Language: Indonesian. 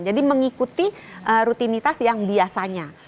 mengikuti rutinitas yang biasanya